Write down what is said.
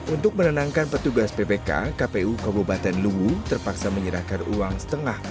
untuk menenangkan petugas ppk kpu kabupaten luwu terpaksa menyerahkan uang setengah